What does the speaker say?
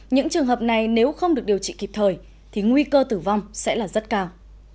những trường hợp này nếu không được điều trị kịp thời thì nguy cơ tử vong sẽ là rất cao